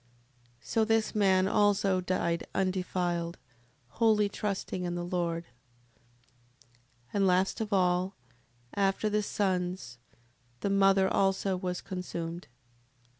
7:40. So this man also died undefiled, wholly trusting in the Lord. 7:41. And last of all, after the sons, the mother also was consumed.